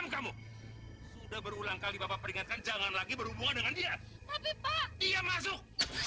kamu kok pulang tanya letih